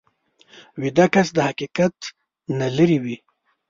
ویده کس د حقیقت نه لرې وي